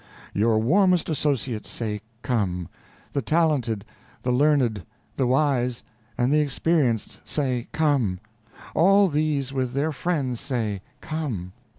Your warmest associates say come; the talented, the learned, the wise, and the experienced say come; all these with their friends say, come.